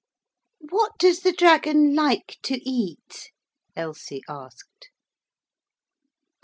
'What does the dragon like to eat?' Elsie asked.